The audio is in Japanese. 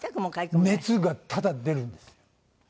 熱がただ出るんですよ。